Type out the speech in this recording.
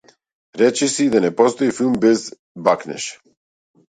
Речиси и да не постои филм без бакнеж.